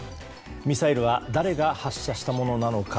ミサイルは誰が発射したものなのか。